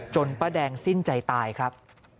ป้าแดงสิ้นใจตายครับ